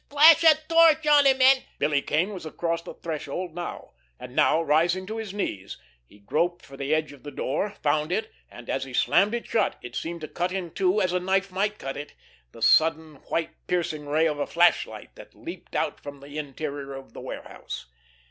Flash a torch on him, an'——" Billy Kane was across the threshold now; and now, rising to his knees, he groped out for the edge of the door, found it, and, as he slammed it shut, it seemed to cut in two, as a knife might cut it, the sudden, white, piercing ray of a flashlight that leaped out from the interior of the warehouse.